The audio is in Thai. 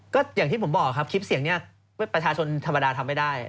ก็อย่างที่ผมบอกครับคลิปเสียงนี้ประชาชนธรรมดาทำไม่ได้